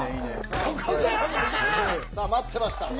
さあ待ってました。